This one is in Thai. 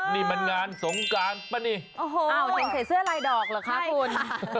นี่มันงานสงการป่ะนี่โอ้โหอ้าวเห็นใส่เสื้อลายดอกเหรอคะคุณ